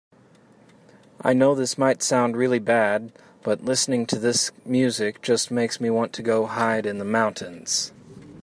I know this might sound really bad, but listening to this music just makes me want to go hide in the mountains.